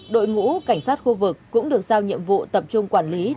đội ngũ cảnh sát khu vực cũng được giao nhiệm vụ tập trung quản lý